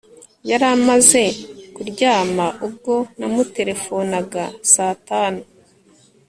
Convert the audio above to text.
Yari amaze kuryama ubwo namuterefonaga saa tanu